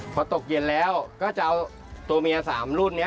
พอตกเย็นแล้วก็จะเอาตัวเมีย๓รุ่นนี้